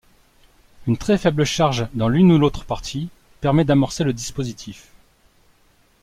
Une très faible charge dans l'une ou l'autre partie permet d'amorcer le dispositif.